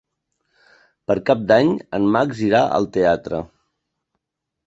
Per Cap d'Any en Max irà al teatre.